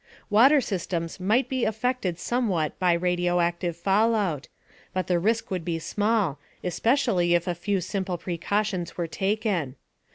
Water systems might be affected somewhat by radioactive fallout, but the risk would be small, especially if a few simple precautions were taken.